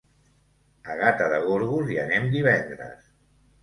A Gata de Gorgos hi anem divendres.